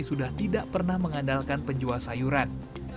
sudah tidak pernah mengandalkan penjual sayuran